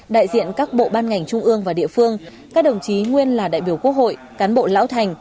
đại diện các bộ ban ngành trung ương và địa phương các đồng chí nguyên là đại biểu quốc hội cán bộ lão thành